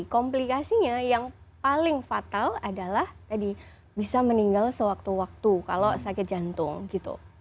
komplikasinya yang paling fatal adalah tadi bisa meninggal sewaktu waktu kalau sakit jantung gitu